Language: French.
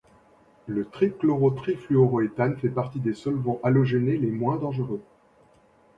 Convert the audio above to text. Le trichlorotrifluoroéthane fait partie des solvants halogénés les moins dangereux.